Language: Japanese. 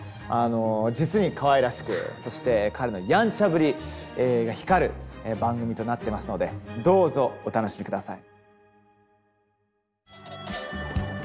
実にかわいらしくそして彼のやんちゃぶりが光る番組となってますのでどうぞお楽しみ下さい。